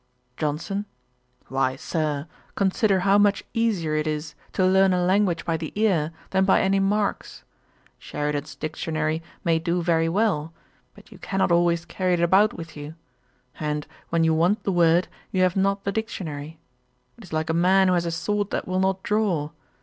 JOHNSON. 'Why, Sir, consider how much easier it is to learn a language by the ear, than by any marks. Sheridan's Dictionary may do very well; but you cannot always carry it about with you: and, when you want the word, you have not the Dictionary. It is like a man who has a sword that will not draw.